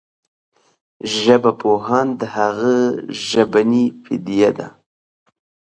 ژبپوهان د هغه ژبنې پديده